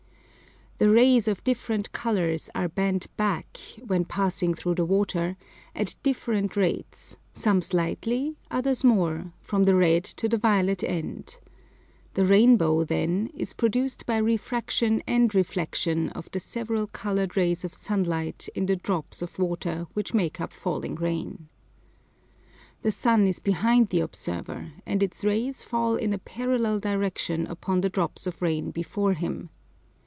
The rays of different colours are bent back (when passing through the water) at different rates, some slightly, others more, from the red to the violet end. The rainbow, then, is produced by refraction and reflection of the several coloured rays of sunlight in the drops of water which make up falling rain. The sun is behind the observer, and its rays fall in a parallel direction upon the drops of rain before him.